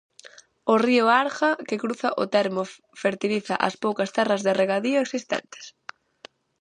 O río Arga que cruza o termo fertiliza as poucas terras de regadío existentes.